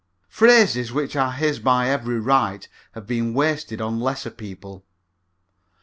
Phrases which are his by every right have been wasted on lesser people.